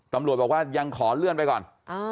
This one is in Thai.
ตำรวจบอกว่ายังขอเลื่อนไปก่อน